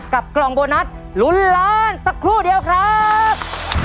กล่องโบนัสลุ้นล้านสักครู่เดียวครับ